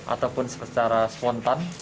ataupun secara spontan